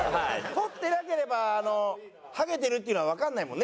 取ってなければハゲてるっていうのはわかんないもんね